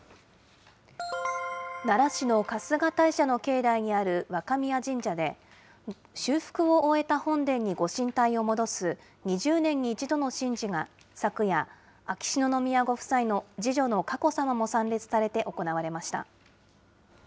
奈良市の春日大社の境内にある若宮神社で、修復を終えた本殿にご神体を戻す２０年に１度の神事が、昨夜、秋篠宮ご夫妻の次女の佳子さまも参列されて行われました。